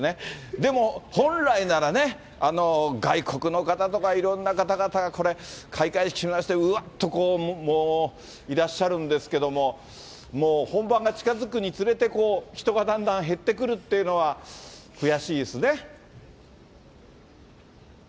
でも本来ならね、外国の方とかいろんな方々がこれ、開会式目指してうわっとこう、いらっしゃるんですけれども、もう本番が近づくにつれて、人がだんだん減ってくるっていうのは、悔しいですね。